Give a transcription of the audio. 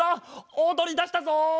おどりだしたぞ！